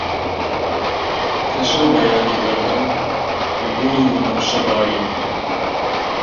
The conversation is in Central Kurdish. کە شەو بەیانی بەردا، گوڵ و وەنەوشە باری